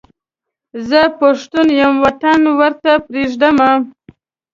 زه پښتون یم وطن ورته پرېږدم.